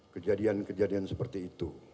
kejadian kejadian seperti itu